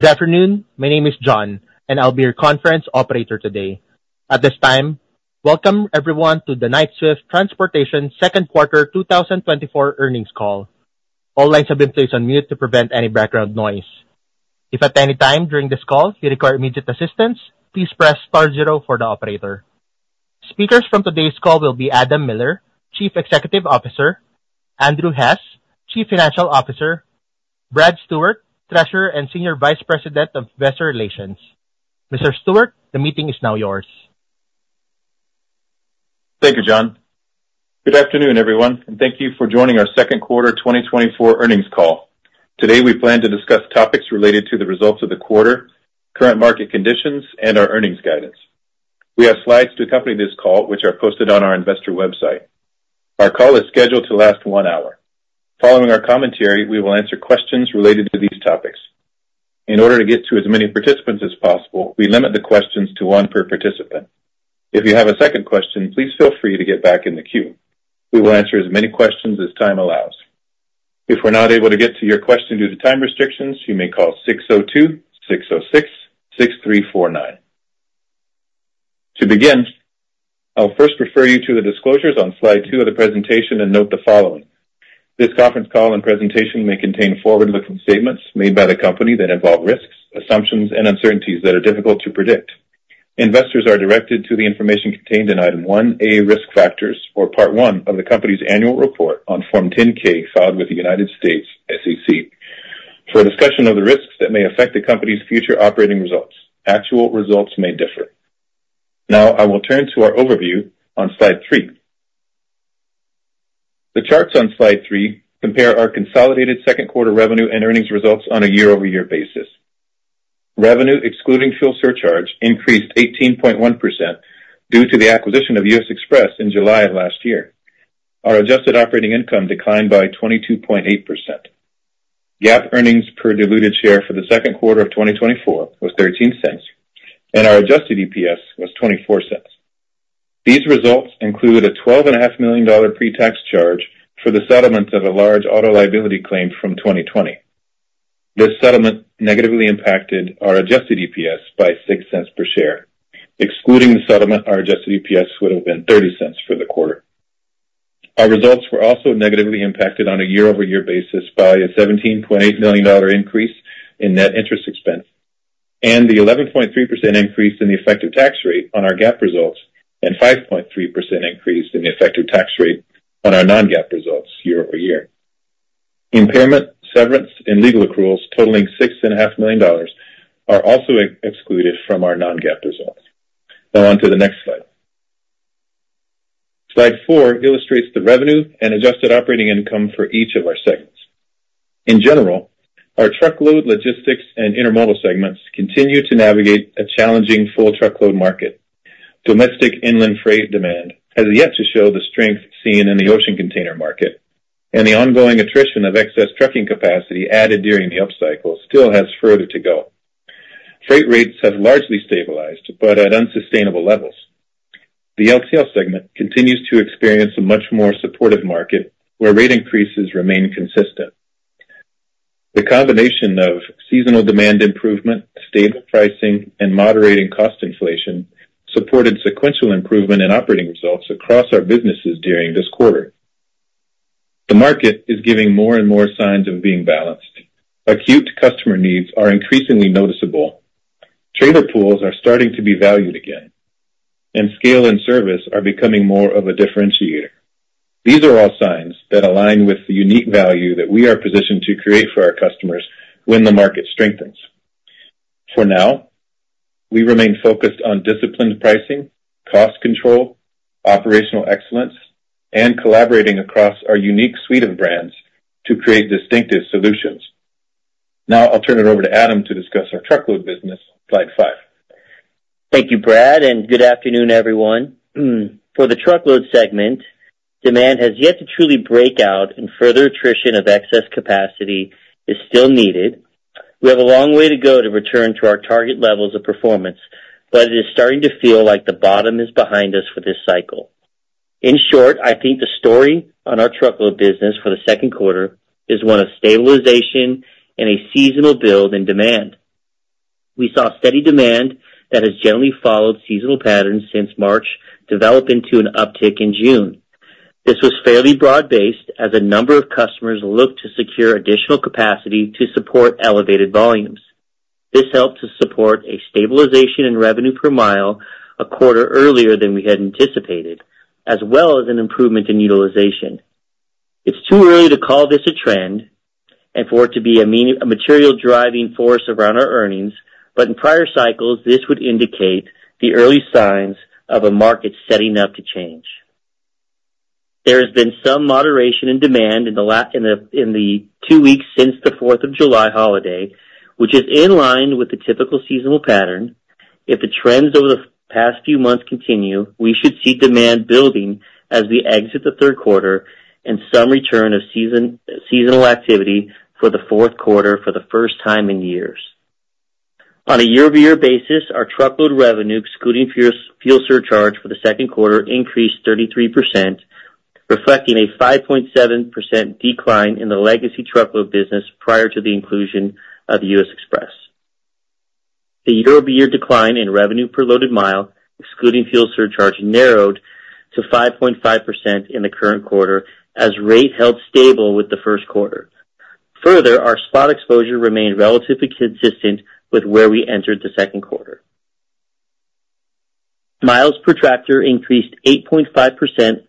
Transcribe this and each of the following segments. Good afternoon. My name is John, and I'll be your conference operator today. At this time, welcome everyone to the Knight-Swift Transportation second quarter 2024 earnings call. All lines have been placed on mute to prevent any background noise. If at any time during this call you require immediate assistance, please press star zero for the operator. Speakers from today's call will be Adam Miller, Chief Executive Officer; Andrew Hess, Chief Financial Officer; Brad Stewart, Treasurer and Senior Vice President of Investor Relations. Mr. Stewart, the meeting is now yours. Thank you, John. Good afternoon, everyone, and thank you for joining our second quarter 2024 earnings call. Today, we plan to discuss topics related to the results of the quarter, current market conditions, and our earnings guidance. We have slides to accompany this call, which are posted on our investor website. Our call is scheduled to last one hour. Following our commentary, we will answer questions related to these topics. In order to get to as many participants as possible, we limit the questions to one per participant. If you have a second question, please feel free to get back in the queue. We will answer as many questions as time allows. If we're not able to get to your question due to time restrictions, you may call 602-606-6349. To begin, I'll first refer you to the disclosures on slide two of the presentation and note the following. This conference call and presentation may contain forward-looking statements made by the company that involve risks, assumptions, and uncertainties that are difficult to predict. Investors are directed to the information contained in Item 1A, Risk Factors, or Part I of the company's annual report on Form 10-K filed with the U.S. SEC for a discussion of the risks that may affect the company's future operating results. Actual results may differ. Now, I will turn to our overview on slide three. The charts on slide three compare our consolidated second quarter revenue and earnings results on a year-over-year basis. Revenue, excluding fuel surcharge, increased 18.1% due to the acquisition of U.S. Xpress in July of last year. Our adjusted operating income declined by 22.8%. GAAP earnings per diluted share for the second quarter of 2024 was $0.13, and our adjusted EPS was $0.24. These results include a $12.5 million pre-tax charge for the settlement of a large auto liability claim from 2020. This settlement negatively impacted our adjusted EPS by $0.06 per share. Excluding the settlement, our adjusted EPS would have been $0.30 for the quarter. Our results were also negatively impacted on a year-over-year basis by a $17.8 million increase in net interest expense and the 11.3% increase in the effective tax rate on our GAAP results and 5.3% increase in the effective tax rate on our non-GAAP results year-over-year. Impairment, severance, and legal accruals totaling $6.5 million are also excluded from our non-GAAP results. Now, on to the next slide. Slide 4 illustrates the revenue and adjusted operating income for each of our segments. In general, our truckload, logistics, and intermodal segments continue to navigate a challenging full truckload market. Domestic inland freight demand has yet to show the strength seen in the ocean container market, and the ongoing attrition of excess trucking capacity added during the upcycle still has further to go. Freight rates have largely stabilized but at unsustainable levels. The LTL segment continues to experience a much more supportive market where rate increases remain consistent. The combination of seasonal demand improvement, stable pricing, and moderating cost inflation supported sequential improvement in operating results across our businesses during this quarter. The market is giving more and more signs of being balanced. Acute customer needs are increasingly noticeable. Trailer pools are starting to be valued again, and scale and service are becoming more of a differentiator. These are all signs that align with the unique value that we are positioned to create for our customers when the market strengthens. For now, we remain focused on disciplined pricing, cost control, operational excellence, and collaborating across our unique suite of brands to create distinctive solutions. Now, I'll turn it over to Adam to discuss our truckload business, slide five. Thank you, Brad, and good afternoon, everyone. For the truckload segment, demand has yet to truly break out, and further attrition of excess capacity is still needed. We have a long way to go to return to our target levels of performance, but it is starting to feel like the bottom is behind us for this cycle. In short, I think the story on our truckload business for the second quarter is one of stabilization and a seasonal build in demand. We saw steady demand that has gently followed seasonal patterns since March develop into an uptick in June. This was fairly broad-based as a number of customers looked to secure additional capacity to support elevated volumes. This helped to support a stabilization in revenue per mile a quarter earlier than we had anticipated, as well as an improvement in utilization. It's too early to call this a trend and for it to be a material driving force around our earnings, but in prior cycles, this would indicate the early signs of a market setting up to change. There has been some moderation in demand in the two weeks since the 4th of July holiday, which is in line with the typical seasonal pattern. If the trends over the past few months continue, we should see demand building as we exit the third quarter and some return of seasonal activity for the fourth quarter for the first time in years. On a year-over-year basis, our truckload revenue, excluding fuel surcharge for the second quarter, increased 33%, reflecting a 5.7% decline in the legacy truckload business prior to the inclusion of U.S. Xpress. The year-over-year decline in revenue per loaded mile, excluding fuel surcharge, narrowed to 5.5% in the current quarter as rate held stable with the first quarter. Further, our spot exposure remained relatively consistent with where we entered the second quarter. Miles per tractor increased 8.5%,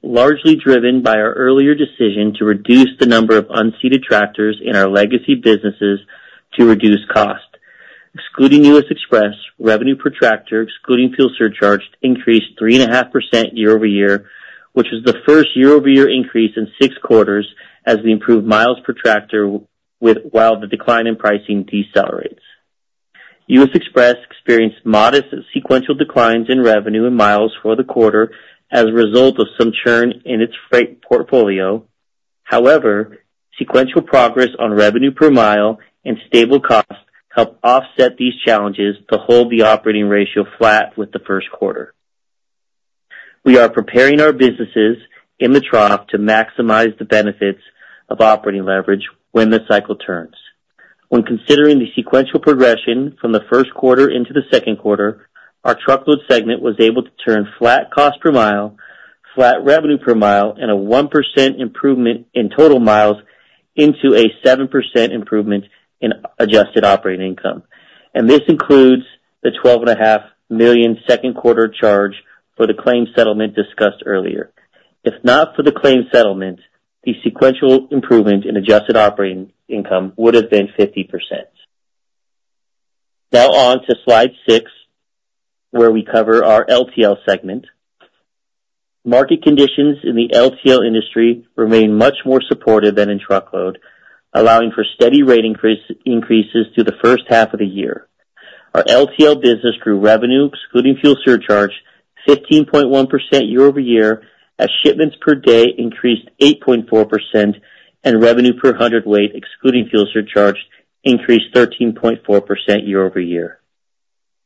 largely driven by our earlier decision to reduce the number of unseated tractors in our legacy businesses to reduce cost. Excluding U.S. Xpress, revenue per tractor, excluding fuel surcharge, increased 3.5% year-over-year, which was the first year-over-year increase in six quarters as we improved miles per tractor while the decline in pricing decelerates. U.S. Xpress experienced modest sequential declines in revenue and miles for the quarter as a result of some churn in its freight portfolio. However, sequential progress on revenue per mile and stable cost helped offset these challenges to hold the operating ratio flat with the first quarter. We are preparing our businesses in the trough to maximize the benefits of operating leverage when the cycle turns. When considering the sequential progression from the first quarter into the second quarter, our truckload segment was able to turn flat cost per mile, flat revenue per mile, and a 1% improvement in total miles into a 7% improvement in adjusted operating income. And this includes the $12.5 million second quarter charge for the claim settlement discussed earlier. If not for the claim settlement, the sequential improvement in adjusted operating income would have been 50%. Now, on to slide six, where we cover our LTL segment. Market conditions in the LTL industry remain much more supportive than in truckload, allowing for steady rate increases through the first half of the year. Our LTL business grew revenue, excluding fuel surcharge, 15.1% year-over-year as shipments per day increased 8.4%, and revenue per hundredweight, excluding fuel surcharge, increased 13.4% year-over-year.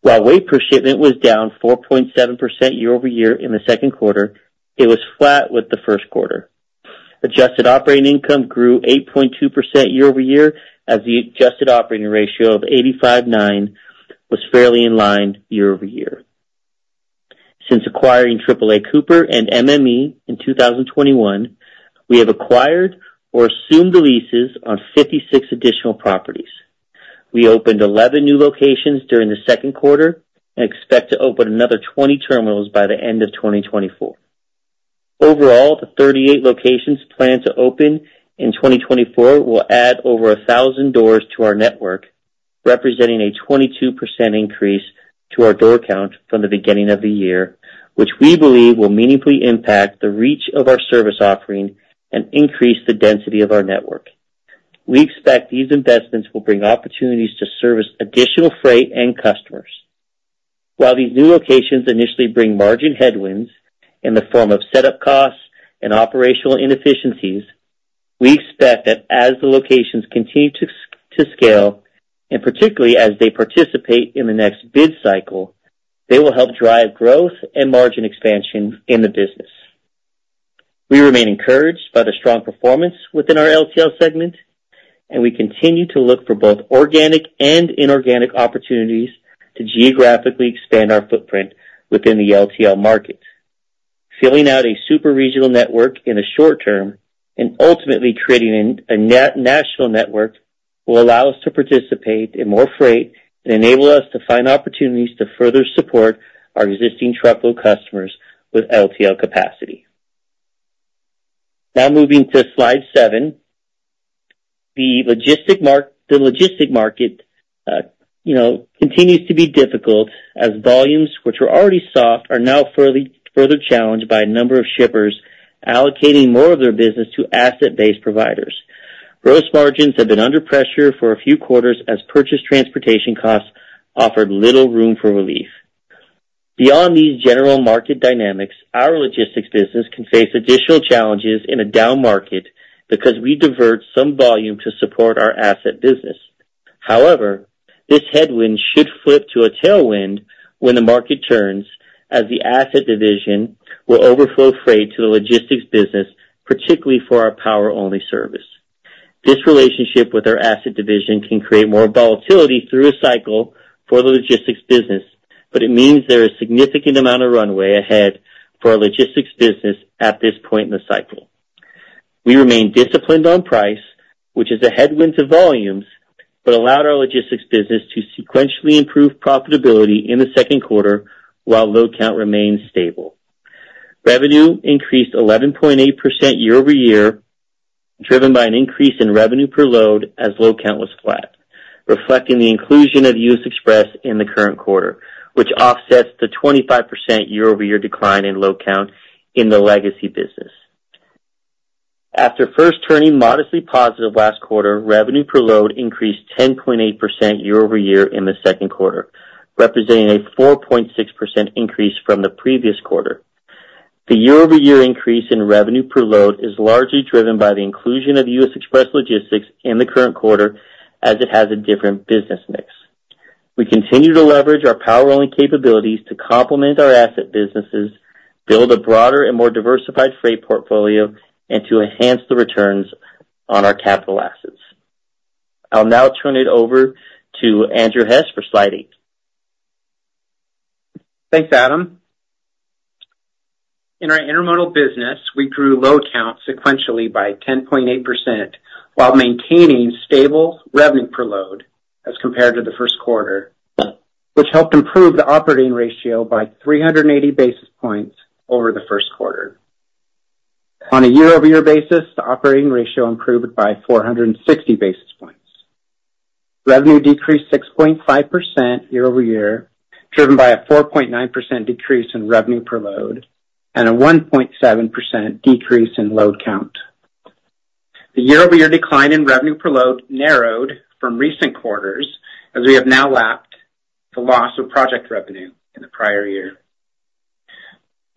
While weight per shipment was down 4.7% year-over-year in the second quarter, it was flat with the first quarter. Adjusted operating income grew 8.2% year-over-year as the adjusted operating ratio of 85.9 was fairly in line year-over-year. Since acquiring AAA Cooper and MME in 2021, we have acquired or assumed the leases on 56 additional properties. We opened 11 new locations during the second quarter and expect to open another 20 terminals by the end of 2024. Overall, the 38 locations planned to open in 2024 will add over 1,000 doors to our network, representing a 22% increase to our door count from the beginning of the year, which we believe will meaningfully impact the reach of our service offering and increase the density of our network. We expect these investments will bring opportunities to service additional freight and customers. While these new locations initially bring margin headwinds in the form of setup costs and operational inefficiencies, we expect that as the locations continue to scale, and particularly as they participate in the next bid cycle, they will help drive growth and margin expansion in the business. We remain encouraged by the strong performance within our LTL segment, and we continue to look for both organic and inorganic opportunities to geographically expand our footprint within the LTL market. Filling out a super regional network in the short term and ultimately creating a national network will allow us to participate in more freight and enable us to find opportunities to further support our existing truckload customers with LTL capacity. Now, moving to slide seven, the logistics market continues to be difficult as volumes, which were already soft, are now further challenged by a number of shippers allocating more of their business to asset-based providers. Gross margins have been under pressure for a few quarters as purchased transportation costs offered little room for relief. Beyond these general market dynamics, our logistics business can face additional challenges in a down market because we divert some volume to support our asset business. However, this headwind should flip to a tailwind when the market turns as the asset division will overflow freight to the logistics business, particularly for our power-only service. This relationship with our asset division can create more volatility through a cycle for the logistics business, but it means there is a significant amount of runway ahead for our logistics business at this point in the cycle. We remain disciplined on price, which is a headwind to volumes, but allowed our logistics business to sequentially improve profitability in the second quarter while load count remained stable. Revenue increased 11.8% year-over-year, driven by an increase in revenue per load as load count was flat, reflecting the inclusion of U.S. Xpress in the current quarter, which offsets the 25% year-over-year decline in load count in the legacy business. After first turning modestly positive last quarter, revenue per load increased 10.8% year-over-year in the second quarter, representing a 4.6% increase from the previous quarter. The year-over-year increase in revenue per load is largely driven by the inclusion of U.S. Xpress Logistics in the current quarter as it has a different business mix. We continue to leverage our power-only capabilities to complement our asset businesses, build a broader and more diversified freight portfolio, and to enhance the returns on our capital assets. I'll now turn it over to Andrew Hess for slide eight. Thanks, Adam. In our intermodal business, we grew load count sequentially by 10.8% while maintaining stable revenue per load as compared to the first quarter, which helped improve the operating ratio by 380 basis points over the first quarter. On a year-over-year basis, the operating ratio improved by 460 basis points. Revenue decreased 6.5% year-over-year, driven by a 4.9% decrease in revenue per load and a 1.7% decrease in load count. The year-over-year decline in revenue per load narrowed from recent quarters as we have now lapped the loss of project revenue in the prior year.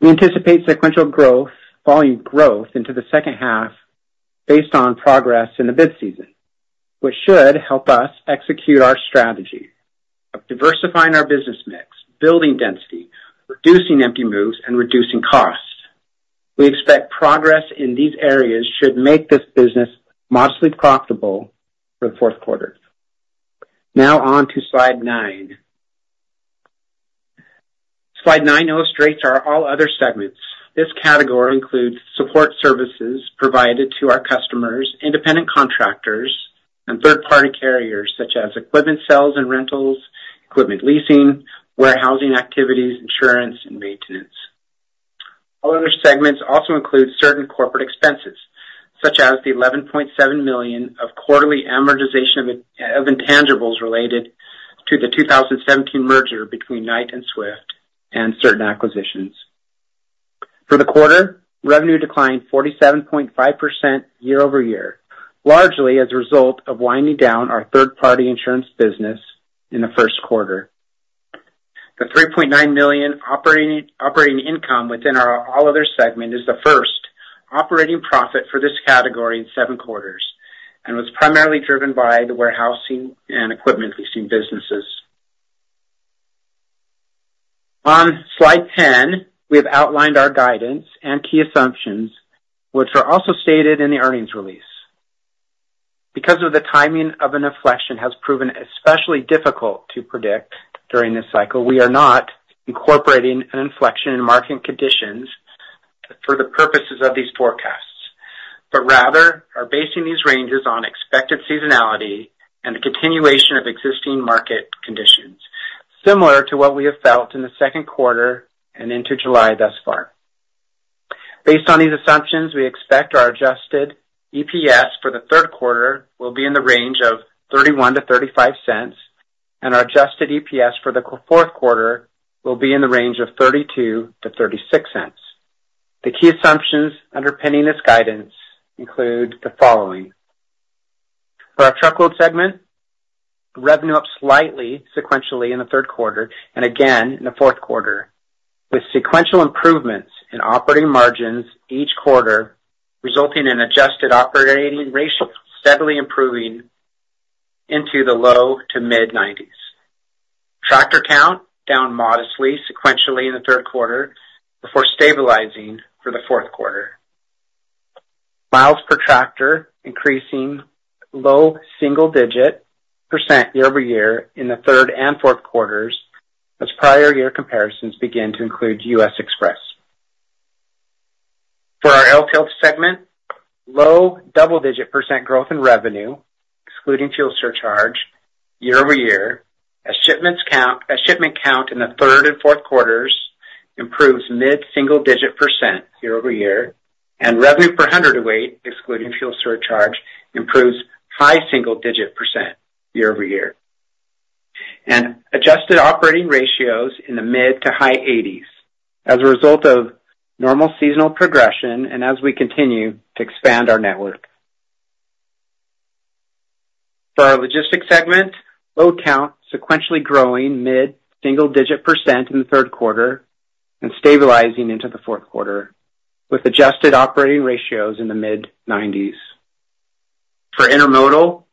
We anticipate sequential volume growth into the second half based on progress in the bid season, which should help us execute our strategy of diversifying our business mix, building density, reducing empty moves, and reducing cost. We expect progress in these areas should make this business modestly profitable for the fourth quarter. Now, on to slide nine. Slide nine illustrates our all other segments. This category includes support services provided to our customers, independent contractors, and third-party carriers such as equipment sales and rentals, equipment leasing, warehousing activities, insurance, and maintenance. All other segments also include certain corporate expenses such as the $11.7 million of quarterly amortization of intangibles related to the 2017 merger between Knight-Swift and certain acquisitions. For the quarter, revenue declined 47.5% year-over-year, largely as a result of winding down our third-party insurance business in the first quarter. The $3.9 million operating income within our all other segment is the first operating profit for this category in seven quarters and was primarily driven by the warehousing and equipment leasing businesses. On slide 10, we have outlined our guidance and key assumptions, which are also stated in the earnings release. Because of the timing of an inflection has proven especially difficult to predict during this cycle, we are not incorporating an inflection in market conditions for the purposes of these forecasts, but rather are basing these ranges on expected seasonality and the continuation of existing market conditions, similar to what we have felt in the second quarter and into July thus far. Based on these assumptions, we expect our adjusted EPS for the third quarter will be in the range of $0.31-$0.35, and our adjusted EPS for the fourth quarter will be in the range of $0.32-$0.36. The key assumptions underpinning this guidance include the following. For our truckload segment, revenue up slightly sequentially in the third quarter and again in the fourth quarter, with sequential improvements in operating margins each quarter, resulting in adjusted operating ratio steadily improving into the low to mid-90s. Tractor count down modestly sequentially in the third quarter before stabilizing for the fourth quarter. Miles per tractor increasing low single-digit percent year-over-year in the third and fourth quarters as prior year comparisons begin to include U.S. Xpress. For our LTL segment, low double-digit % growth in revenue, excluding fuel surcharge year-over-year, as shipment count in the third and fourth quarters improves mid-single-digit percent year-over-year, and revenue per hundredweight, excluding fuel surcharge, improves high single-digit percent year-over-year. Adjusted operating ratios in the mid- to high 80s as a result of normal seasonal progression and as we continue to expand our network. For our logistics segment, load count sequentially growing mid-single-digit % in the third quarter and stabilizing into the fourth quarter, with adjusted operating ratios in the mid-90s. For intermodal,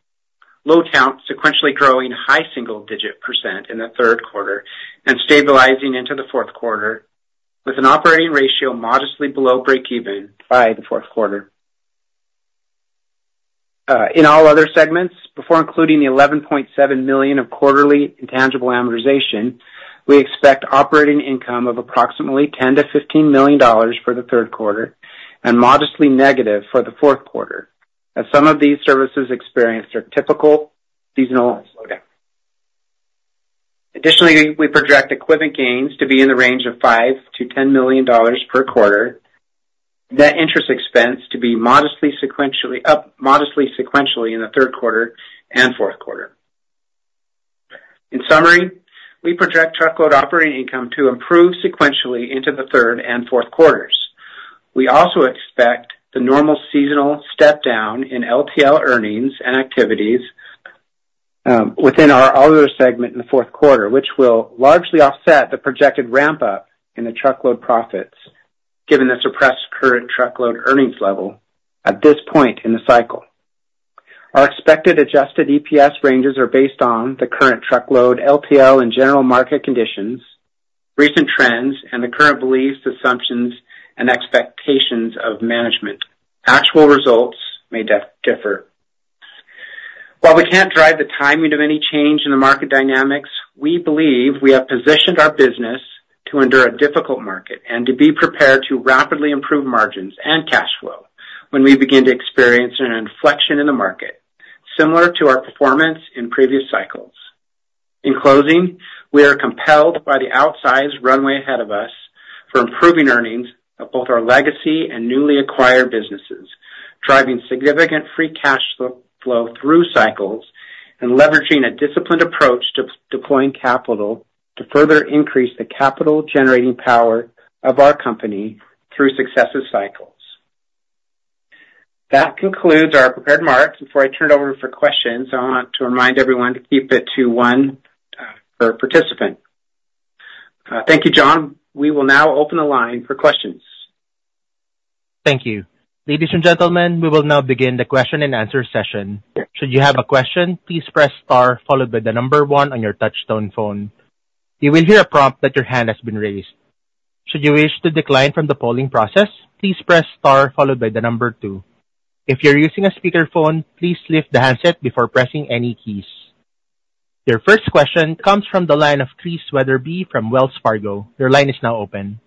load count sequentially growing high single-digit percent in the third quarter and stabilizing into the fourth quarter, with an operating ratio modestly below break-even by the fourth quarter. In all other segments, before including the $11.7 million of quarterly intangible amortization, we expect operating income of approximately $10 million-$15 million for the third quarter and modestly negative for the fourth quarter, as some of these services experienced their typical seasonal slowdown. Additionally, we project equipment gains to be in the range of $5 million-$10 million per quarter, net interest expense to be modestly sequentially up modestly sequentially in the third quarter and fourth quarter. In summary, we project truckload operating income to improve sequentially into the third and fourth quarters. We also expect the normal seasonal step down in LTL earnings and activities within our all other segment in the fourth quarter, which will largely offset the projected ramp-up in the truckload profits given the suppressed current truckload earnings level at this point in the cycle. Our expected adjusted EPS ranges are based on the current truckload, LTL, and general market conditions, recent trends, and the current beliefs, assumptions, and expectations of management. Actual results may differ. While we can't drive the timing of any change in the market dynamics, we believe we have positioned our business to endure a difficult market and to be prepared to rapidly improve margins and cash flow when we begin to experience an inflection in the market, similar to our performance in previous cycles. In closing, we are compelled by the outsized runway ahead of us for improving earnings of both our legacy and newly acquired businesses, driving significant free cash flow through cycles and leveraging a disciplined approach to deploying capital to further increase the capital-generating power of our company through successive cycles. That concludes our prepared remarks. Before I turn it over for questions, I want to remind everyone to keep it to one per participant. Thank you, John. We will now open the line for questions. Thank you. Ladies and gentlemen, we will now begin the question-and-answer session. Should you have a question, please press star followed by one on your touch-tone phone. You will hear a prompt that your hand has been raised. Should you wish to decline from the polling process, please press star followed by two. If you're using a speakerphone, please lift the handset before pressing any keys. Your first question comes from the line of Chris Wetherbee from Wells Fargo. Your line is now open.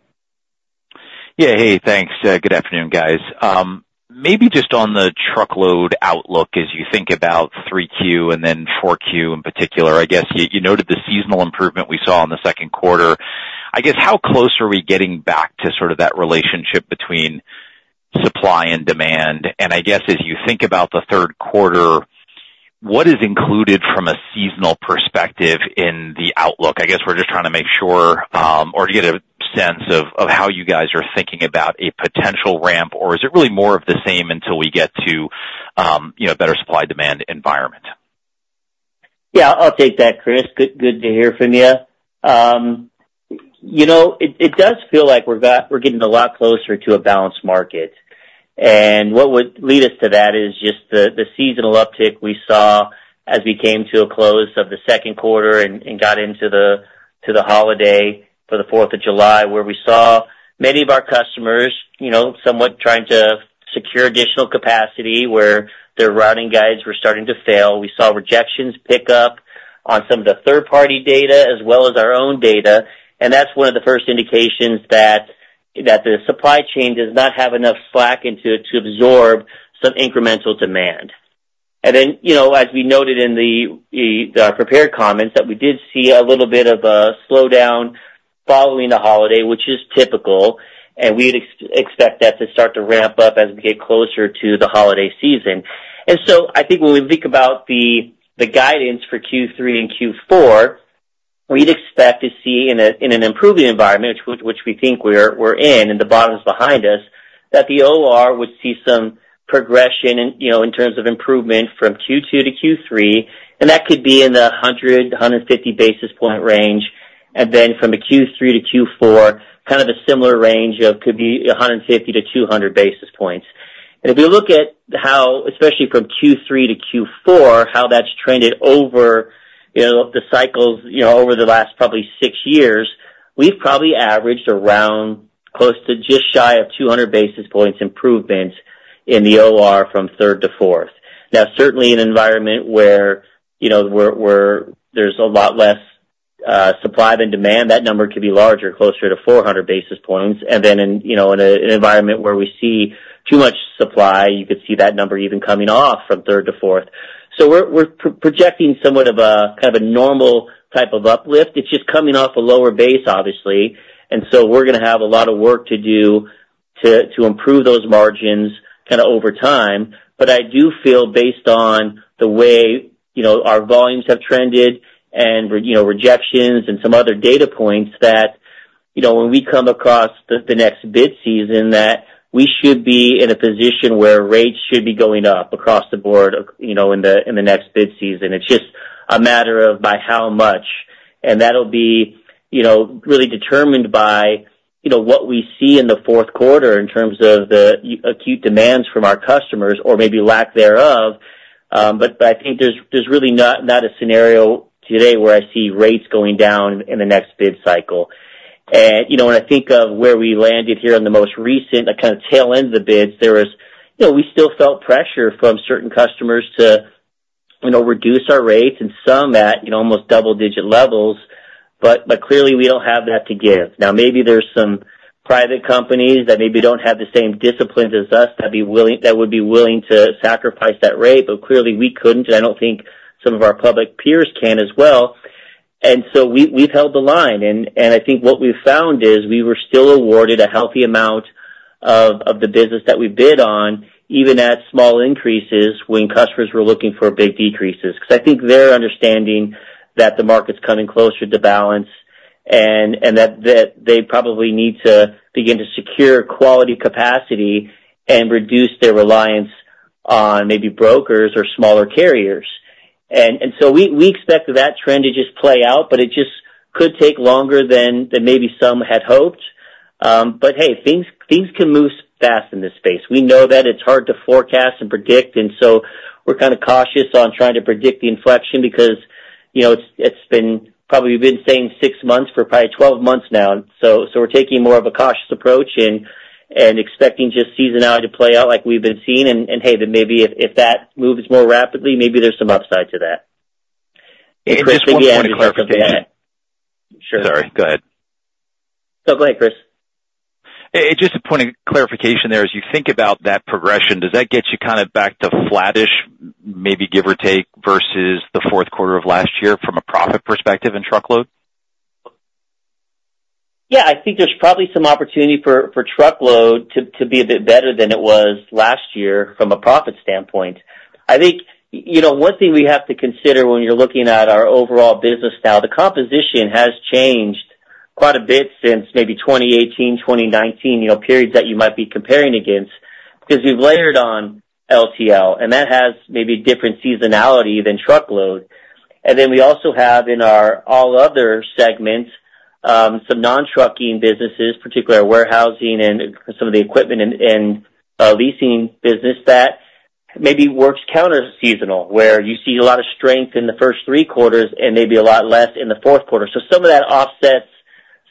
Yeah, hey, thanks. Good afternoon, guys. Maybe just on the truckload outlook as you think about 3Q and then 4Q in particular, I guess you noted the seasonal improvement we saw in the second quarter. I guess how close are we getting back to sort of that relationship between supply and demand? And I guess as you think about the third quarter, what is included from a seasonal perspective in the outlook? I guess we're just trying to make sure or to get a sense of how you guys are thinking about a potential ramp, or is it really more of the same until we get to a better supply-demand environment? Yeah, I'll take that, Chris. Good to hear from you. It does feel like we're getting a lot closer to a balanced market. And what would lead us to that is just the seasonal uptick we saw as we came to a close of the second quarter and got into the holiday for the 4th of July, where we saw many of our customers somewhat trying to secure additional capacity where their routing guides were starting to fail. We saw rejections pick up on some of the third-party data as well as our own data. And that's one of the first indications that the supply chain does not have enough slack to absorb some incremental demand. And then, as we noted in our prepared comments, that we did see a little bit of a slowdown following the holiday, which is typical. We expect that to start to ramp up as we get closer to the holiday season. I think when we think about the guidance for Q3 and Q4, we'd expect to see in an improving environment, which we think we're in, and the bottom is behind us, that the OR would see some progression in terms of improvement from Q2 to Q3. That could be in the 100-150 basis points range. Then from the Q3 to Q4, kind of a similar range could be 150-200 basis points. If we look at how, especially from Q3 to Q4, how that's trended over the cycles over the last probably six years, we've probably averaged around close to just shy of 200 basis points improvement in the OR from third to fourth. Now, certainly in an environment where there's a lot less supply than demand, that number could be larger, closer to 400 basis points. And then in an environment where we see too much supply, you could see that number even coming off from third to fourth. So we're projecting somewhat of a kind of a normal type of uplift. It's just coming off a lower base, obviously. And so we're going to have a lot of work to do to improve those margins kind of over time. But I do feel, based on the way our volumes have trended and rejections and some other data points, that when we come across the next bid season, that we should be in a position where rates should be going up across the board in the next bid season. It's just a matter of by how much. And that'll be really determined by what we see in the fourth quarter in terms of the acute demands from our customers or maybe lack thereof. But I think there's really not a scenario today where I see rates going down in the next bid cycle. And when I think of where we landed here in the most recent, kind of tail end of the bids, we still felt pressure from certain customers to reduce our rates and some at almost double-digit levels. But clearly, we don't have that to give. Now, maybe there's some private companies that maybe don't have the same discipline as us that would be willing to sacrifice that rate. But clearly, we couldn't. And I don't think some of our public peers can as well. And so we've held the line. I think what we've found is we were still awarded a healthy amount of the business that we bid on, even at small increases when customers were looking for big decreases. Because I think they're understanding that the market's coming closer to balance and that they probably need to begin to secure quality capacity and reduce their reliance on maybe brokers or smaller carriers. And so we expect that trend to just play out, but it just could take longer than maybe some had hoped. But hey, things can move fast in this space. We know that it's hard to forecast and predict. And so we're kind of cautious on trying to predict the inflection because it's been probably we've been saying six months for probably 12 months now. So we're taking more of a cautious approach and expecting just seasonality to play out like we've been seeing. And hey, then maybe if that moves more rapidly, maybe there's some upside to that. Just a point of clarification. Sure. Sorry. Go ahead. Oh, go ahead, Chris. Just a point of clarification there. As you think about that progression, does that get you kind of back to flattish, maybe give or take, versus the fourth quarter of last year from a profit perspective in truckload? Yeah, I think there's probably some opportunity for truckload to be a bit better than it was last year from a profit standpoint. I think one thing we have to consider when you're looking at our overall business now, the composition has changed quite a bit since maybe 2018, 2019, periods that you might be comparing against because we've layered on LTL. And that has maybe different seasonality than truckload. And then we also have in our all other segments, some non-trucking businesses, particularly our warehousing and some of the equipment and leasing business that maybe works counter-seasonal, where you see a lot of strength in the first three quarters and maybe a lot less in the fourth quarter. So some of that offsets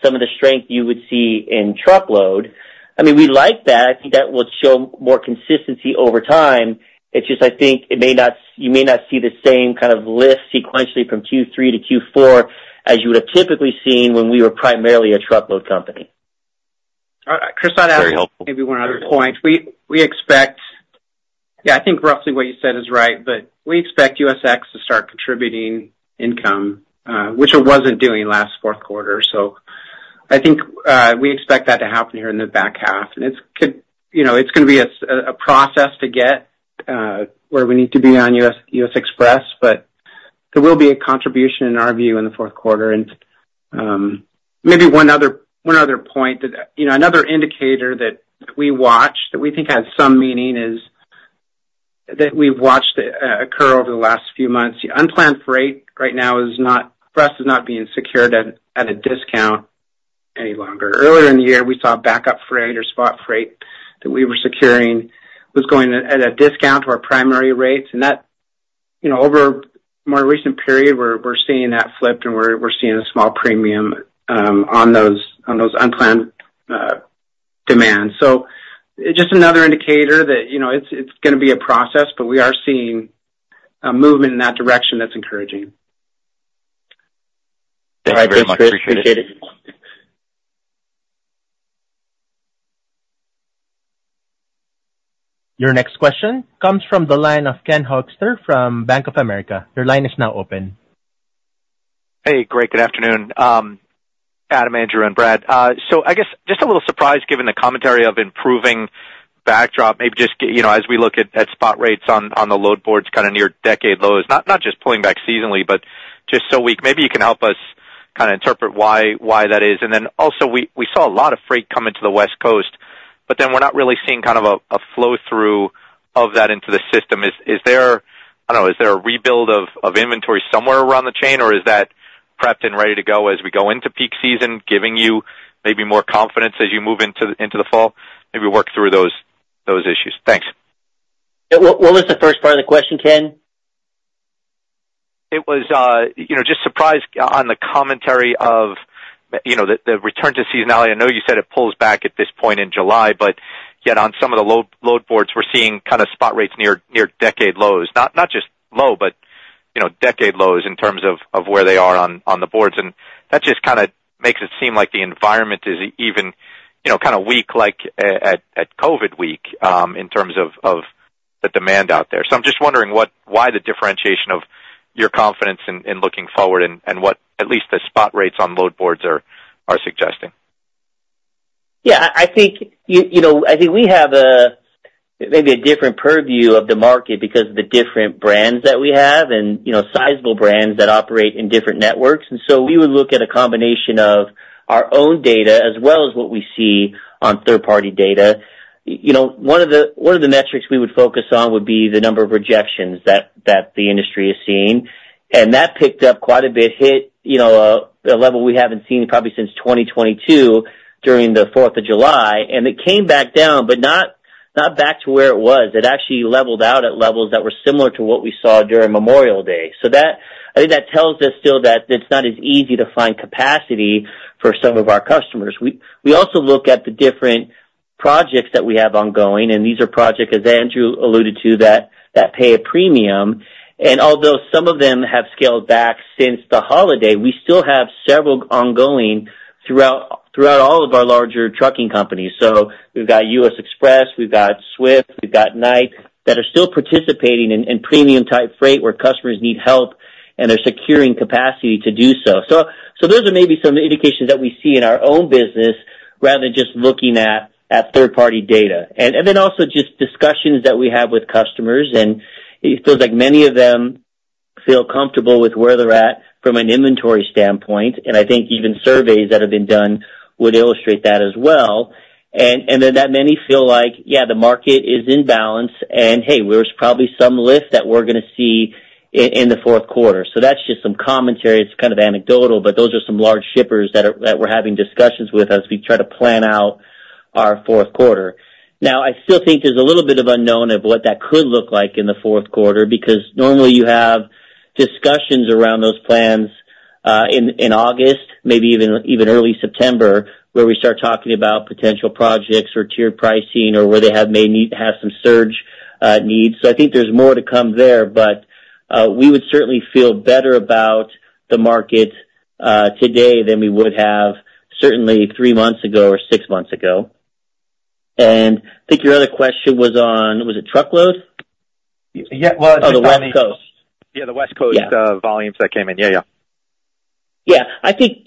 some of the strength you would see in truckload. I mean, we like that. I think that will show more consistency over time. It's just, I think, you may not see the same kind of lift sequentially from Q3 to Q4 as you would have typically seen when we were primarily a truckload company. All right. Chris, I'd ask maybe one other point. We expect yeah, I think roughly what you said is right, but we expect U.S. Xpress to start contributing income, which it wasn't doing last fourth quarter. So I think we expect that to happen here in the back half. And it's going to be a process to get where we need to be on U.S. Xpress, but there will be a contribution in our view in the fourth quarter. And maybe one other point, another indicator that we watch that we think has some meaning is that we've watched occur over the last few months. Unplanned freight right now is not for us is not being secured at a discount any longer. Earlier in the year, we saw backup freight or spot freight that we were securing was going at a discount to our primary rates. Over a more recent period, we're seeing that flipped, and we're seeing a small premium on those unplanned demands. Just another indicator that it's going to be a process, but we are seeing a movement in that direction that's encouraging. Thank you, Chris. All right. Very much appreciate it. Your next question comes from the line of Ken Hoexter from Bank of America. Your line is now open. Hey, great. Good afternoon, Adam, Andrew, and Brad. So I guess just a little surprise given the commentary of improving backdrop, maybe just as we look at spot rates on the load boards kind of near decade lows, not just pulling back seasonally, but just so weak. Maybe you can help us kind of interpret why that is. And then also, we saw a lot of freight come into the West Coast, but then we're not really seeing kind of a flow-through of that into the system. I don't know. Is there a rebuild of inventory somewhere around the chain, or is that prepped and ready to go as we go into peak season, giving you maybe more confidence as you move into the fall? Maybe work through those issues. Thanks. What was the first part of the question, Ken? It was just surprised on the commentary of the return to seasonality. I know you said it pulls back at this point in July, but yet on some of the load boards, we're seeing kind of spot rates near decade lows. Not just low, but decade lows in terms of where they are on the boards. And that just kind of makes it seem like the environment is even kind of weak like at COVID week in terms of the demand out there. So I'm just wondering why the differentiation of your confidence in looking forward and what at least the spot rates on load boards are suggesting. Yeah. I think we have maybe a different purview of the market because of the different brands that we have and sizable brands that operate in different networks. And so we would look at a combination of our own data as well as what we see on third-party data. One of the metrics we would focus on would be the number of rejections that the industry is seeing. And that picked up quite a bit, hit a level we haven't seen probably since 2022 during the 4th of July. And it came back down, but not back to where it was. It actually leveled out at levels that were similar to what we saw during Memorial Day. So I think that tells us still that it's not as easy to find capacity for some of our customers. We also look at the different projects that we have ongoing. These are projects, as Andrew alluded to, that pay a premium. Although some of them have scaled back since the holiday, we still have several ongoing throughout all of our larger trucking companies. We've got U.S. Xpress, we've got Swift, we've got Knight that are still participating in premium-type freight where customers need help and are securing capacity to do so. Those are maybe some indications that we see in our own business rather than just looking at third-party data. Then also just discussions that we have with customers. It feels like many of them feel comfortable with where they're at from an inventory standpoint. I think even surveys that have been done would illustrate that as well. Then that many feel like, yeah, the market is in balance. Hey, there's probably some lift that we're going to see in the fourth quarter. So that's just some commentary. It's kind of anecdotal, but those are some large shippers that we're having discussions with as we try to plan out our fourth quarter. Now, I still think there's a little bit of unknown of what that could look like in the fourth quarter because normally you have discussions around those plans in August, maybe even early September, where we start talking about potential projects or tiered pricing or where they have some surge needs. So I think there's more to come there, but we would certainly feel better about the market today than we would have certainly three months ago or six months ago. And I think your other question was on, was it truckload? Yeah. Well, it's the West Coast. Yeah, the West Coast volumes that came in. Yeah, yeah. Yeah. I think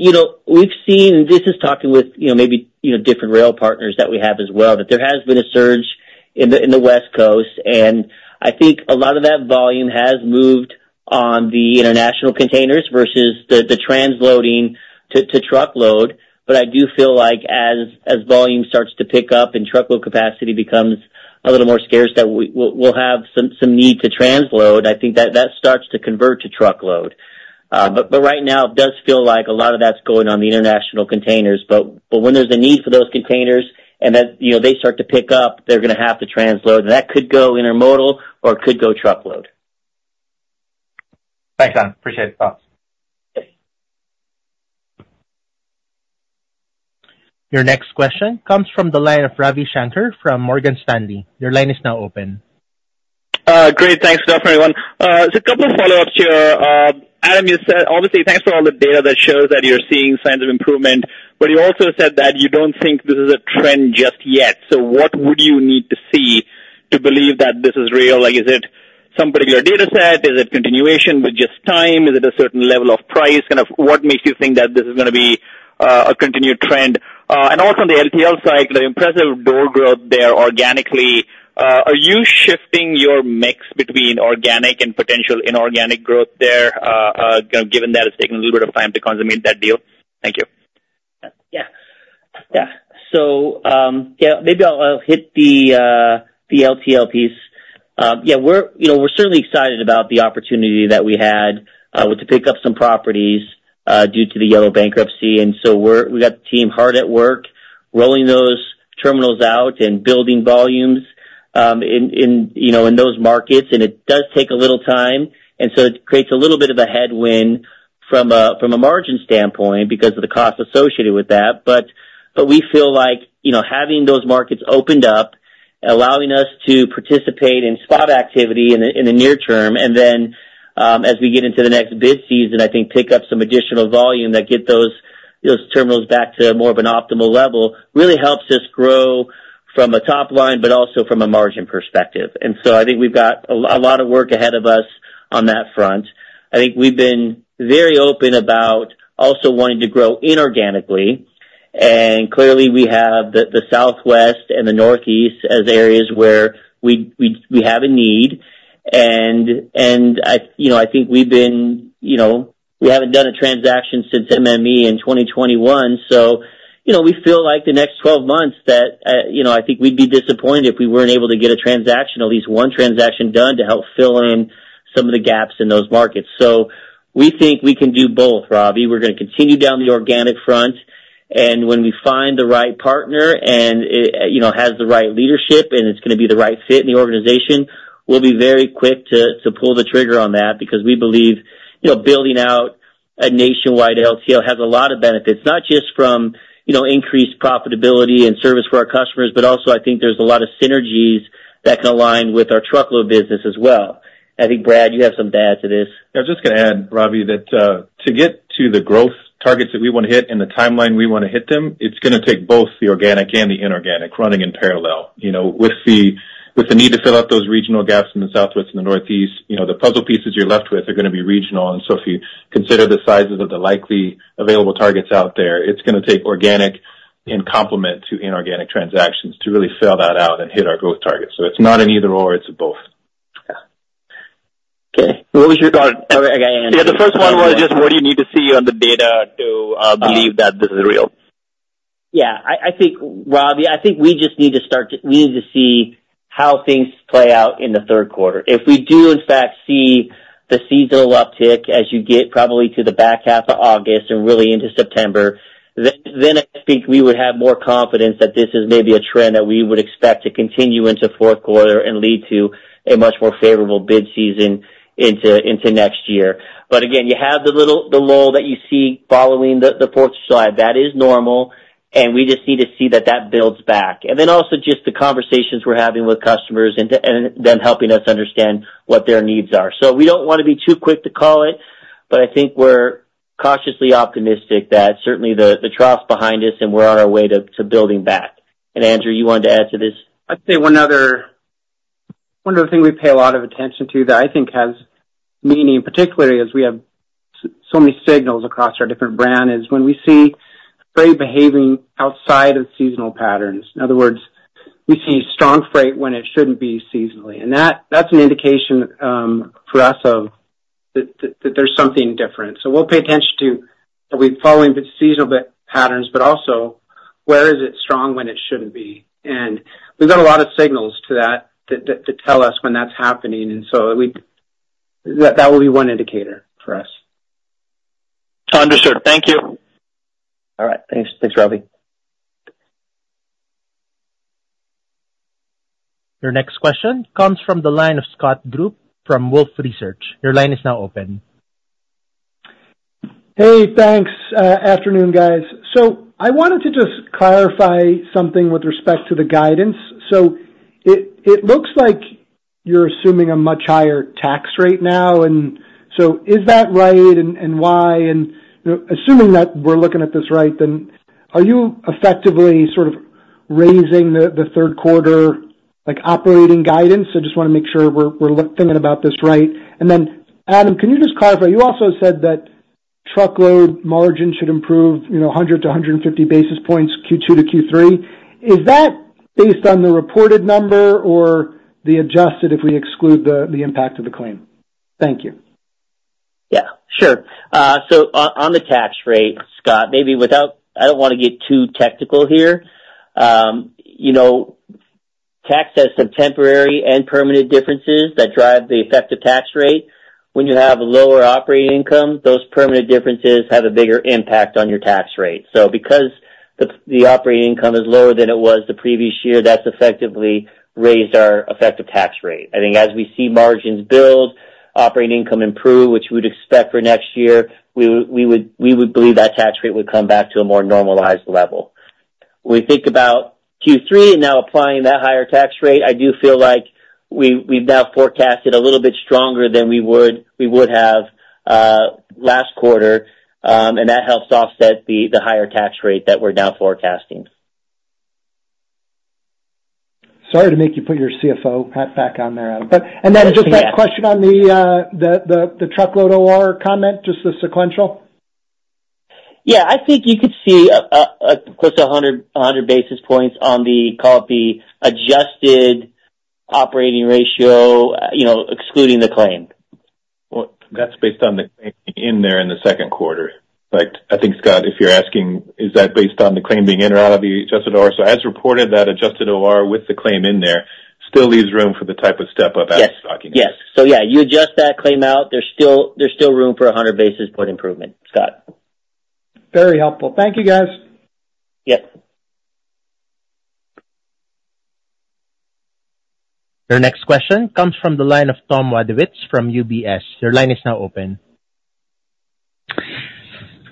we've seen, and this is talking with maybe different rail partners that we have as well, that there has been a surge in the West Coast. And I think a lot of that volume has moved on the international containers versus the transloading to truckload. But I do feel like as volume starts to pick up and truckload capacity becomes a little more scarce that we'll have some need to transload. I think that starts to convert to truckload. But right now, it does feel like a lot of that's going on the international containers. But when there's a need for those containers and they start to pick up, they're going to have to transload. And that could go intermodal or it could go truckload. Thanks, Adam. Appreciate it. Thanks. Your next question comes from the line of Ravi Shanker from Morgan Stanley. Your line is now open. Great. Thanks for everyone. So a couple of follow-ups here. Adam, you said, obviously, thanks for all the data that shows that you're seeing signs of improvement, but you also said that you don't think this is a trend just yet. So what would you need to see to believe that this is real? Is it some particular data set? Is it continuation with just time? Is it a certain level of price? Kind of what makes you think that this is going to be a continued trend? And also on the LTL side, kind of impressive door growth there organically. Are you shifting your mix between organic and potential inorganic growth there, given that it's taken a little bit of time to consummate that deal? Thank you. Yeah. Yeah. So yeah, maybe I'll hit the LTL piece. Yeah, we're certainly excited about the opportunity that we had to pick up some properties due to the Yellow bankruptcy. And so we got the team hard at work rolling those terminals out and building volumes in those markets. And it does take a little time. And so it creates a little bit of a headwind from a margin standpoint because of the cost associated with that. But we feel like having those markets opened up, allowing us to participate in spot activity in the near term, and then as we get into the next bid season, I think pick up some additional volume that get those terminals back to more of an optimal level really helps us grow from a top line, but also from a margin perspective. And so I think we've got a lot of work ahead of us on that front. I think we've been very open about also wanting to grow inorganically. And clearly, we have the Southwest and the Northeast as areas where we have a need. And I think we haven't done a transaction since MME in 2021. So we feel like the next 12 months that I think we'd be disappointed if we weren't able to get a transaction, at least one transaction done to help fill in some of the gaps in those markets. So we think we can do both, Ravi. We're going to continue down the organic front. And when we find the right partner and has the right leadership and it's going to be the right fit in the organization, we'll be very quick to pull the trigger on that because we believe building out a nationwide LTL has a lot of benefits, not just from increased profitability and service for our customers, but also I think there's a lot of synergies that can align with our truckload business as well. I think, Brad, you have some data to this. Yeah. I was just going to add, Ravi, that to get to the growth targets that we want to hit and the timeline we want to hit them, it's going to take both the organic and the inorganic running in parallel with the need to fill out those regional gaps in the Southwest and the Northeast. The puzzle pieces you're left with are going to be regional. And so if you consider the sizes of the likely available targets out there, it's going to take organic in complement to inorganic transactions to really fill that out and hit our growth target. So it's not an either/or. It's a both. Okay. What was your thought? I got to answer. Yeah. The first one was just what do you need to see on the data to believe that this is real? Yeah. I think, Ravi, we just need to see how things play out in the third quarter. If we do, in fact, see the seasonal uptick as you get probably to the back half of August and really into September, then I think we would have more confidence that this is maybe a trend that we would expect to continue into fourth quarter and lead to a much more favorable bid season into next year. But again, you have the lull that you see following the 4th of July. That is normal. And we just need to see that that builds back. And then also just the conversations we're having with customers and them helping us understand what their needs are. So we don't want to be too quick to call it, but I think we're cautiously optimistic that certainly the trough's behind us and we're on our way to building back. And Andrew, you wanted to add to this? I'd say one other thing we pay a lot of attention to that I think has meaning, particularly as we have so many signals across our different brands, is when we see freight behaving outside of seasonal patterns. In other words, we see strong freight when it shouldn't be seasonally. And that's an indication for us that there's something different. So we'll pay attention to are we following seasonal patterns, but also where is it strong when it shouldn't be? And we've got a lot of signals to that to tell us when that's happening. And so that will be one indicator for us. Understood. Thank you. All right. Thanks. Thanks, Ravi. Your next question comes from the line of Scott Group from Wolfe Research. Your line is now open. Hey, thanks. Afternoon, guys. So I wanted to just clarify something with respect to the guidance. So it looks like you're assuming a much higher tax rate now. And so is that right? And why? And assuming that we're looking at this right, then are you effectively sort of raising the third quarter operating guidance? So I just want to make sure we're thinking about this right. And then, Adam, can you just clarify? You also said that truckload margin should improve 100-150 basis points Q2 to Q3. Is that based on the reported number or the adjusted if we exclude the impact of the claim? Thank you. Yeah. Sure. So on the tax rate, Scott, maybe without I don't want to get too technical here. Tax has some temporary and permanent differences that drive the effective tax rate. When you have a lower operating income, those permanent differences have a bigger impact on your tax rate. So because the operating income is lower than it was the previous year, that's effectively raised our effective tax rate. I think as we see margins build, operating income improve, which we would expect for next year, we would believe that tax rate would come back to a more normalized level. When we think about Q3 and now applying that higher tax rate, I do feel like we've now forecasted a little bit stronger than we would have last quarter. And that helps offset the higher tax rate that we're now forecasting. Sorry to make you put your CFO hat back on there, Adam. Then just that question on the truckload OR comment, just the sequential. Yeah. I think you could see close to 100 basis points on the, call it the Adjusted Operating Ratio, excluding the claim. That's based on the claim in there in the second quarter. I think, Scott, if you're asking, is that based on the claim being in or out of the adjusted OR? So as reported, that adjusted OR with the claim in there still leaves room for the type of step-up as we're talking about. Yes. Yes. So yeah, you adjust that claim out, there's still room for 100 basis point improvement, Scott. Very helpful. Thank you, guys. Yep. Your next question comes from the line of Tom Wadewitz from UBS. Your line is now open.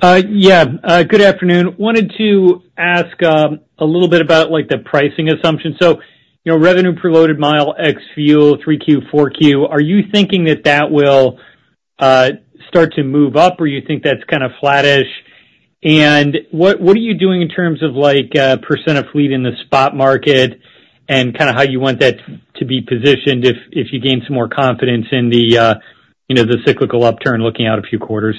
Yeah. Good afternoon. Wanted to ask a little bit about the pricing assumption. So revenue per loaded mile ex fuel, 3Q, 4Q, are you thinking that that will start to move up or you think that's kind of flattish? And what are you doing in terms of percent of fleet in the spot market and kind of how you want that to be positioned if you gain some more confidence in the cyclical upturn looking out a few quarters?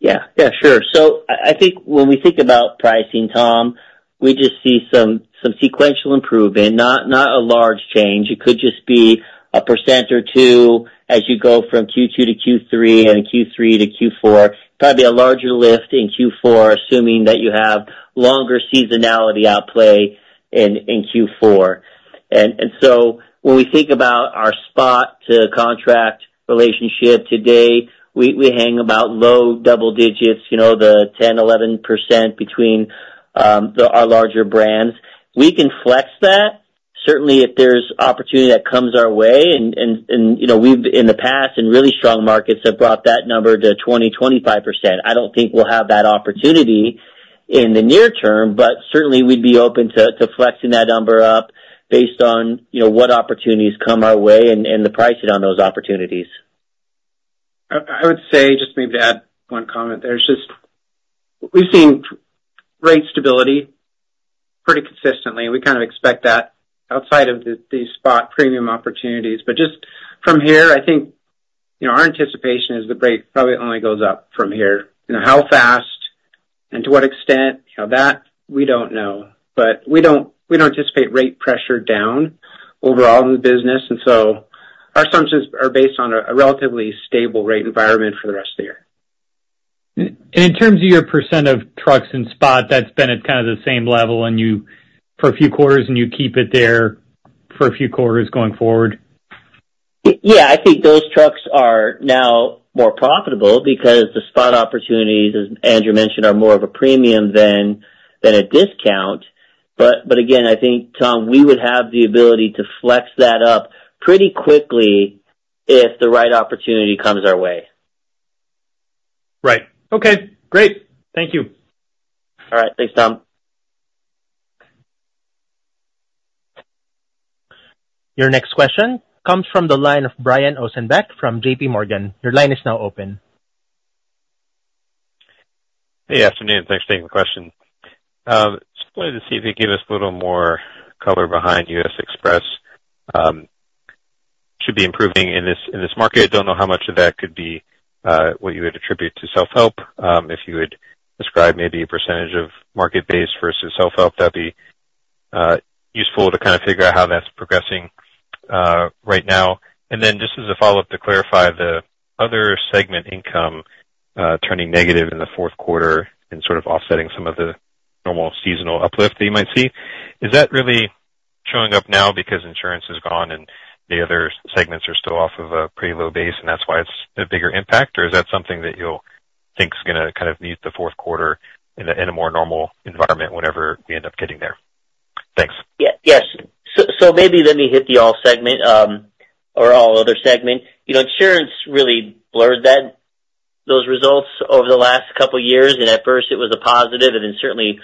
Yeah. Yeah. Sure. So I think when we think about pricing, Tom, we just see some sequential improvement, not a large change. It could just be 1% or 2% as you go from Q2 to Q3 and Q3 to Q4. It'd probably be a larger lift in Q4, assuming that you have longer seasonality outplay in Q4. And so when we think about our spot to contract relationship today, we hang about low double digits, the 10, 11% between our larger brands. We can flex that, certainly if there's opportunity that comes our way. And we've, in the past, in really strong markets, have brought that number to 20, 25%. I don't think we'll have that opportunity in the near term, but certainly we'd be open to flexing that number up based on what opportunities come our way and the pricing on those opportunities. I would say, just maybe to add one comment there, is just we've seen rate stability pretty consistently. We kind of expect that outside of these spot premium opportunities. But just from here, I think our anticipation is the rate probably only goes up from here. How fast and to what extent, that we don't know. But we don't anticipate rate pressure down overall in the business. And so our assumptions are based on a relatively stable rate environment for the rest of the year. In terms of your percent of trucks in spot, that's been at kind of the same level for a few quarters and you keep it there for a few quarters going forward? Yeah. I think those trucks are now more profitable because the spot opportunities, as Andrew mentioned, are more of a premium than a discount. But again, I think, Tom, we would have the ability to flex that up pretty quickly if the right opportunity comes our way. Right. Okay. Great. Thank you. All right. Thanks, Tom. Your next question comes from the line of Brian Ossenbeck from JPMorgan. Your line is now open. Hey, afternoon. Thanks for taking the question. Just wanted to see if you could give us a little more color behind U.S. Xpress. Should be improving in this market. I don't know how much of that could be what you would attribute to self-help. If you would describe maybe a percentage of market base versus self-help, that'd be useful to kind of figure out how that's progressing right now. And then just as a follow-up to clarify the other segment income turning negative in the fourth quarter and sort of offsetting some of the normal seasonal uplift that you might see. Is that really showing up now because insurance is gone and the other segments are still off of a pretty low base and that's why it's a bigger impact? Or is that something that you'll think is going to kind of meet the fourth quarter in a more normal environment whenever we end up getting there? Thanks. Yes. So maybe let me hit the all segment or all other segment. Insurance really blurred those results over the last couple of years. And at first, it was a positive and then certainly